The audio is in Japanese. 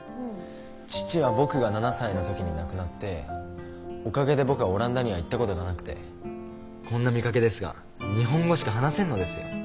父は僕が７歳の時に亡くなっておかげで僕はオランダには行ったことがなくてこんな見かけですが日本語しか話せんのですよ。